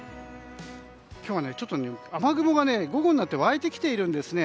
今日は雨雲が午後になって湧いてきているんですね。